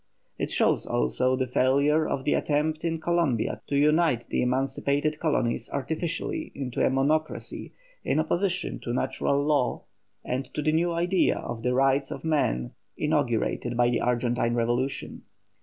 It shows also the failure of the attempt in Columbia to unite the emancipated colonies artificially into a monocracy in opposition to natural law and to the new idea of the rights of man inaugurated by the Argentine revolution.